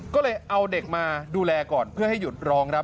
ก็เลยเอาเด็กมาดูแลก่อนเพื่อให้หยุดรองรับ